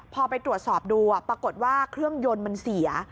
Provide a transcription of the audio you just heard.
พอไปตรวจสอบดูปรากฏว่าเครื่องยนต์มันเสีย